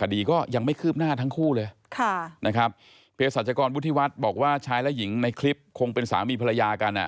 คดีก็ยังไม่คืบหน้าทั้งคู่เลยนะครับเพศรัชกรวุฒิวัฒน์บอกว่าชายและหญิงในคลิปคงเป็นสามีภรรยากันอ่ะ